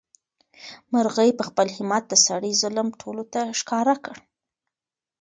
مرغۍ په خپل همت د سړي ظلم ټولو ته ښکاره کړ.